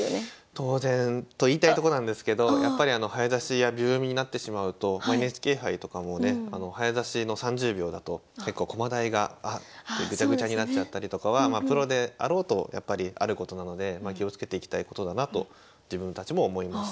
当然と言いたいとこなんですけどやっぱり早指しや秒読みになってしまうとＮＨＫ杯とかもね早指しの３０秒だと結構駒台が「あ！」ってぐちゃぐちゃになっちゃったりとかはプロであろうとやっぱりあることなので気をつけていきたいことだなと自分たちも思います。